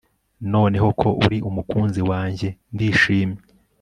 noneho ko uri umukunzi wanjye, ndishimye